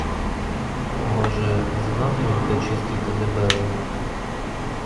Може, занадто він плечистий та дебелий?